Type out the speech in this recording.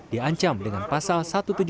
diancam dengan pasal satu ratus tujuh puluh